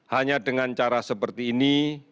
hanya dengan cara seperti ini